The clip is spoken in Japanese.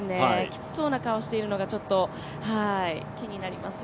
きつそうな顔しているのが気になります。